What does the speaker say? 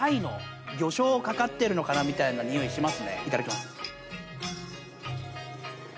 いただきます！